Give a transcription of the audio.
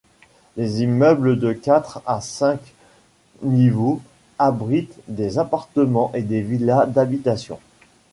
Les immeubles de quatre à cinq niveaux abritent des appartements et des villas d’habitation.